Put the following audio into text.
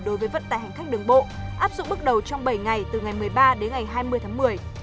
đối với vận tải hành khách đường bộ áp dụng bước đầu trong bảy ngày từ ngày một mươi ba đến ngày hai mươi tháng một mươi